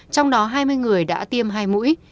trong đó hai mươi người đã tiêm hai mũi